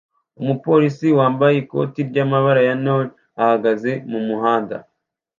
Umupolisi wambaye ikoti ryamabara ya neon ahagaze mumuhanda